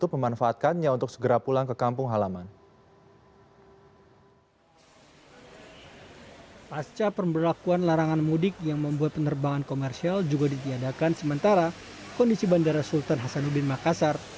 selamat malam bang darman intias